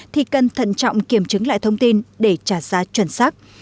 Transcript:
thì cần thận trọng kiểm chứng lại thông tin để trả giá chuẩn xác